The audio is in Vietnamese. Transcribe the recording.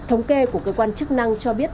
thống kê của cơ quan chức năng cho biết